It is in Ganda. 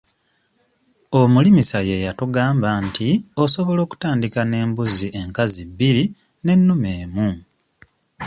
Omulimisa ye yatugamba nti osobola okutandika n'embuzi enkazi bbiri n'ennume emu.